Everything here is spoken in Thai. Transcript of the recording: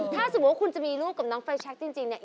ถ้าสมมุติคุณจะมีลูกกับน้องไฟชักจริง